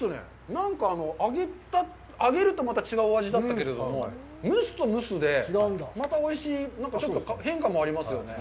なんか、揚げるとまた違うお味だったけれども、蒸すと蒸すでまたおいしい、変化もありますよね。